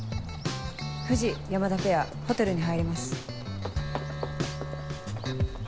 藤山田ペアホテルに入ります。